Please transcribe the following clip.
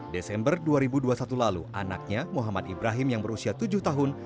desember dua ribu dua puluh satu lalu anaknya muhammad ibrahim yang berusia tujuh tahun